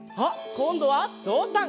こんどはぞうさん！